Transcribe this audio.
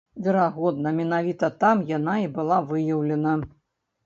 Верагодна, менавіта там яна і была выяўлена.